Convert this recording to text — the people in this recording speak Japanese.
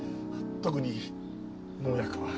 特に農薬は。